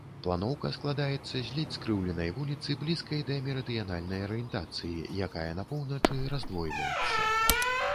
Планоўка складаецца з ледзь скрыўленай вуліцы, блізкай да мерыдыянальнай арыентацыі, якая на поўначы раздвойваецца.